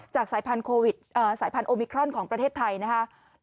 จากสายพันธุ์โอมิครอนของประเทศไทยนะครับ